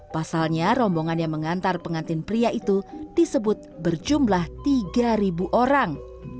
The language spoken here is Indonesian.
pasalnya rombongan yang mengantar pengantin pria itu disebut berjumlah tiga orang